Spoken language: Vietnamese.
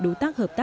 hợp tác chiến đấu